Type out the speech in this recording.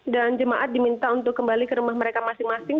dan jemaat diminta untuk kembali ke rumah mereka masing masing